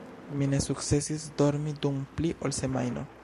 Mi ne sukcesis dormi dum pli ol semajno.